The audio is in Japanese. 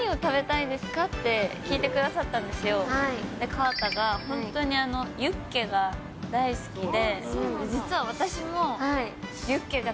河田が本当にユッケが大好きで。